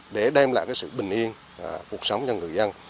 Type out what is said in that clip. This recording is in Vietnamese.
để đem lại sự bình yên cuộc sống cho người dân